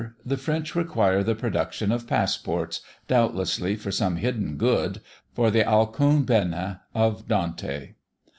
the French require the production of passports, doubtlessly for some hidden good, for the alcun' bene of Dante.